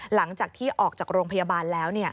หลังจากที่ออกจากโรงพยาบาลแล้ว